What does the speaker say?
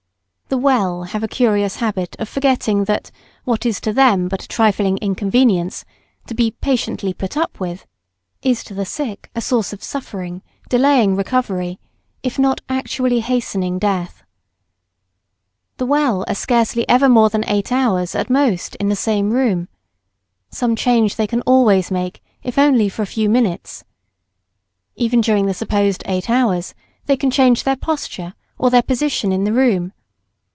The well have a curious habit of forgetting that what is to them but a trifling inconvenience, to be patiently "put up" with, is to the sick a source of suffering, delaying recovery, if not actually hastening death. The well are scarcely ever more than eight hours, at most, in the same room. Some change they can always make, if only for a few minutes. Even during the supposed eight hours, they can change their posture or their position in the room.